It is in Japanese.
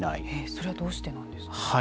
それはどうしてなんですか。